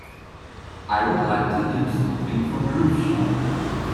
I would like to hear something from Groove Shark